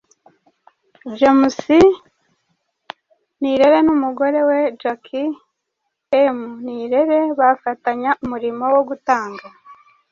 James Nirere n'umugore we Jackie M Nirere bafatanya umurimo wo gutanga